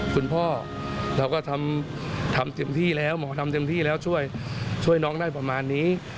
คุณพ่อเราก็ทำเต็มที่แล้วหมอทำเต็มที่แล้วช่วยน้องได้ประมาณนี้